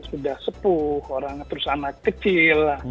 pertimbangannya orang yang sudah sepuh anak kecil